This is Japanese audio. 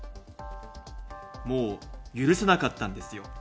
もう、許せなかったんですよ。